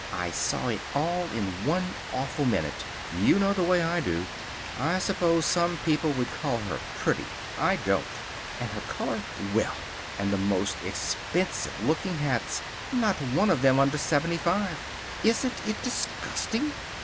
I saw it all in one awful minute. You know the way I do. I suppose some people would call her pretty. I don't. And her color. Well! And the most expensive looking hats. Not one of them under seventy five. Isn't it disgusting!